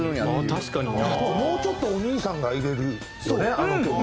もうちょっとお兄さんが入れるあの曲は。